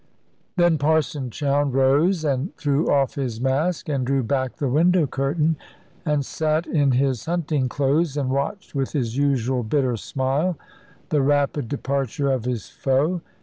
Then Parson Chowne rose, and threw off his mask, and drew back the window curtain, and sat in his hunting clothes, and watched with his usual bitter smile the rapid departure of his foe.